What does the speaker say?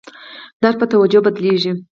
درد په توجیه بدلېږي.